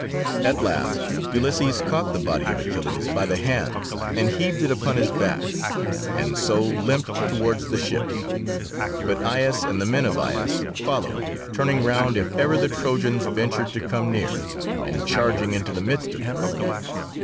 At last Ulysses caught the body of Achilles by the hands, and heaved it upon his back, and so limped towards the ships, but Aias and the men of Aias followed, turning round if ever the Trojans ventured to come near, and charging into the midst of them.